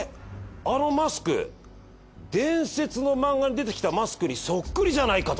あのマスク伝説の漫画に出てきたマスクにそっくりじゃないか」と。